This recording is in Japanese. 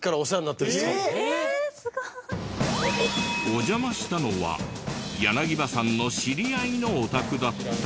お邪魔したのは柳葉さんの知り合いのお宅だった。